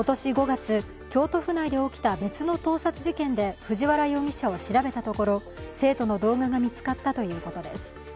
今年５月、京都府内で起きた別の盗撮事件で藤原容疑者を調べたところ、生徒の動画が見つかったということです。